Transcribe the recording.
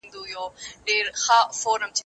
ايا ته د کتابتون د کار مرسته کوې،